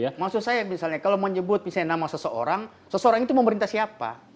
iya maksud saya misalnya kalau menyebut nama seseorang seseorang itu mau minta siapa